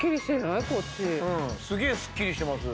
すげえすっきりしてます。